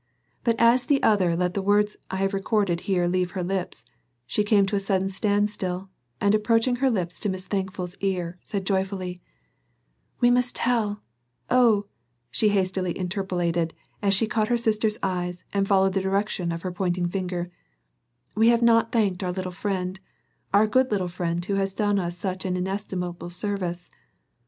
But as the other let the words I have recorded here leave her lips, she came to a sudden standstill and approaching her lips to Miss Thankful's ear said joyfully: "We must tell oh," she hastily interpolated as she caught her sister's eyes and followed the direction of her pointing finger, "we have not thanked our little friend, our good little friend who has done us such an inestimable service."